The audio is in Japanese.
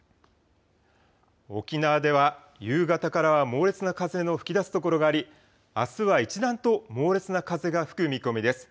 沖縄では夕方からは猛烈な風の吹き出すところがあり、あすは一段と猛烈な風が吹く見込みです。